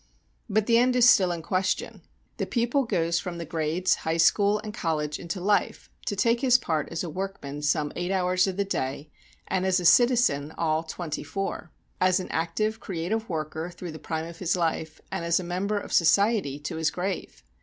But the end is still in question. The pupil goes from the grades, high school and college into life to take his part as a workman some eight hours of the day and as a citizen all twenty four; as an active, creative worker through the prime of his life, and as a member of society to his grave.